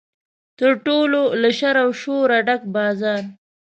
تر ټولو له شر او شوره ډک بازار.